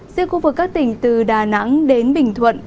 riêng khu vực các tỉnh từ đà nẵng đến bình thuận